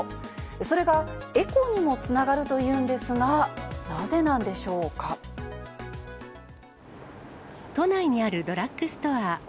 それがエコにもつながるというんですが、都内にあるドラッグストア。